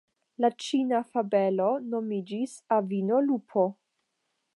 La ĉina fabelo nomiĝis "Avino Lupo".